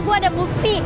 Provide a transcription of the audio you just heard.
gue ada bukti